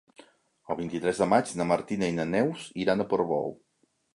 El vint-i-tres de maig na Martina i na Neus iran a Portbou.